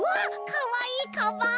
かわいいかばん！